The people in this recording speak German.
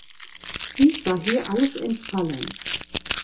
Dies war hier alles entfallen.